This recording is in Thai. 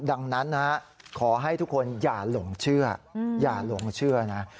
ดังนั้นนะขอให้ทุกคนอย่าหลงเชื่ออย่าหลงเชื่อนะ